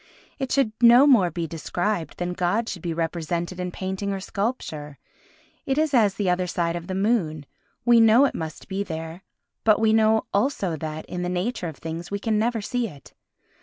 It should no more be described than God should be represented in painting or sculpture. It is as the other side of the moon; we know it must be there but we know also that, in the nature of things, we can never see it.